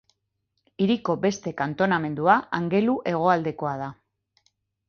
Hiriko beste kantonamendua Angelu Hegoaldekoa da.